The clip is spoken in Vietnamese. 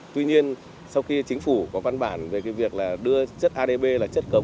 tuy nhiên sau khi chính phủ có văn bản về cái việc là đưa chất adb là chất cấm